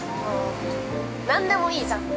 ◆何でもいいじゃん。